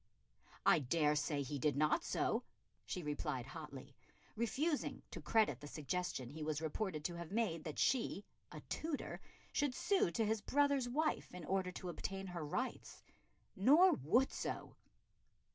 "I dare say he did not so," she replied hotly, refusing to credit the suggestion he was reported to have made that she, a Tudor, should sue to his brother's wife in order to obtain her rights, "nor would so."